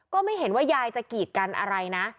ก็ไม่เห็นว่ายายจะกีดกันอะไรนะ